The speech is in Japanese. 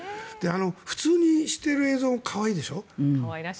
普通にしている映像も可愛いでしょう。